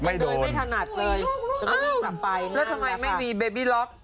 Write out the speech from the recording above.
แล้วก็วิ่งกลับไปนั่นแหละค่ะแล้วทำไมไม่มีเบบี้ล็อค